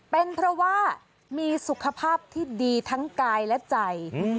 เป็นเพราะว่ามีสุขภาพที่ดีทั้งกายและใจ